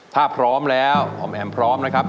ถ้าพร้อมแล้วออมแอมพร้อมนะครับ